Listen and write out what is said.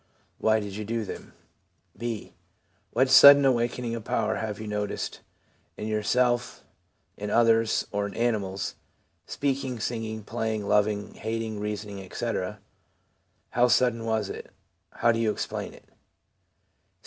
Why did you do them ? '(b) What sudden awakening of power have you noticed in yourself, in others, or in animals — speaking, singing, playing, loving, hating, reasoning, etc.? How sudden was it ? How do you explain it